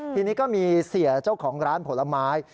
ทีนี้ก็มีเสียเจ้าของร้านผลไม้